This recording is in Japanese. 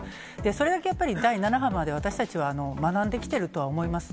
それだけやっぱり、第７波まで私たちは学んできてるとは思います。